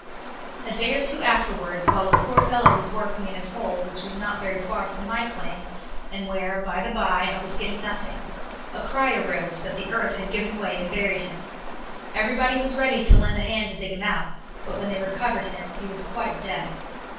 A day or two afterwards, while a poor fellow was working in his hole, which was not very far from my claim, and where, by the bye, I was getting nothing, a cry arose that the earth had given way and buried him. Everybody was ready to lend a hand to dig him out; but when they recovered him he was quite dead.